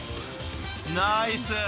［ナイス！］